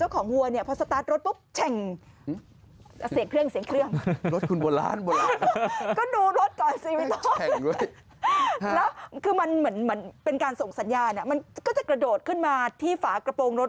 แล้วคือมันเหมือนเป็นการส่งสัญญาเนี่ยมันก็จะกระโดดขึ้นมาที่ฝากระโปรงรถ